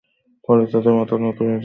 ফলে তাদের মাথা নত হয়ে যায়।